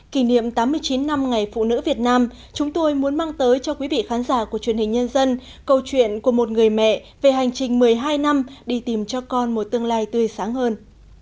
kỷ niệm tám mươi chín năm ngày phụ nữ việt nam chúng tôi muốn mang tới cho quý vị khán giả của truyền hình nhân dân câu chuyện của một người mẹ về hành trình một mươi hai năm đi tìm cho con một tương lai tươi sáng hơn